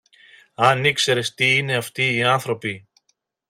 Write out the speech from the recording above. Αν ήξερες τι είναι αυτοί οι άνθρωποι!